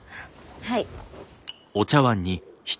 はい。